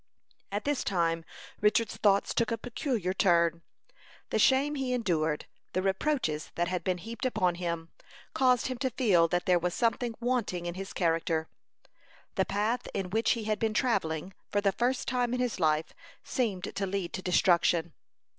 At this time Richard's thoughts took a peculiar turn. The shame he endured, the reproaches that had been heaped upon him, caused him to feel that there was something wanting in his character. The path in which he had been travelling, for the first time in his life seemed to lead to destruction.